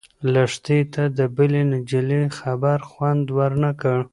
لښتې ته د بلې نجلۍ خبر خوند ورنه کړ.